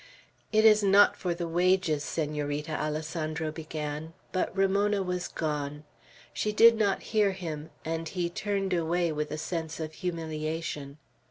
"It is not for the wages, Senorita," Alessandro began; but Ramona was gone. She did not hear him, and he turned away with a sense of humiliation.